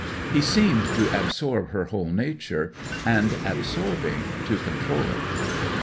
He seemed to absorb her whole nature, and, absorbing, to control it.